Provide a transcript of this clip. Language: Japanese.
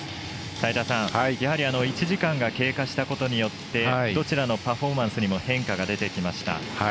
齋田さん、やはり１時間が経過したことによってどちらのパフォーマンスにも変化が出てきました。